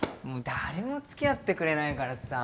誰も付き合ってくれないからさ。